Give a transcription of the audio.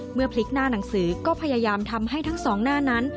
พลิกหน้าหนังสือก็พยายามทำให้ทั้งสองหน้านั้น